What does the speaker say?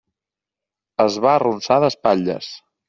Es va arronsar d'espatlles.